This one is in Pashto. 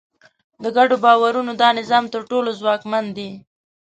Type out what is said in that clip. د ګډو باورونو دا نظام تر ټولو ځواکمن دی.